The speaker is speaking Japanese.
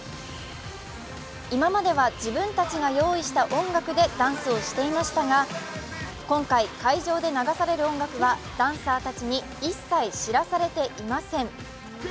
今までは自分たちが用意した音楽でダンスをしていましたが今回、会場で流される音楽はダンサーたちに一切知らされていません。